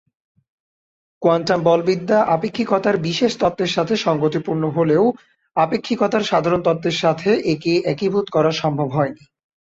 Quantum বলবিদ্যা আপেক্ষিকতার বিশেষ তত্ত্বের সাথে সঙ্গতিপূর্ণ হলেও আপেক্ষিকতার সাধারণ তত্ত্বের সাথে একে একীভূত করা সম্ভব হয়নি।